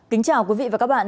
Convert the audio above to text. kính chào quý vị và các bạn